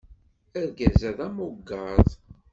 Argaz-a d amugaḍ.